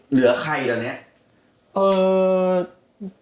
เหลือใครตอนนี้